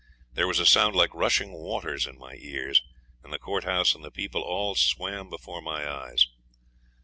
There was a sound like rushing waters in my ears, and the courthouse and the people all swam before my eyes.